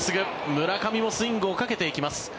村上もスイングをかけていきます。